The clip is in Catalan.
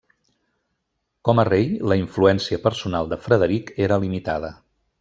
Com a rei, la influència personal de Frederic era limitada.